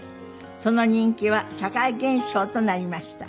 その人気は社会現象となりました。